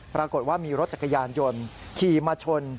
ปรากฏว่ามีรถจักรยานยนต์ขี่มาชน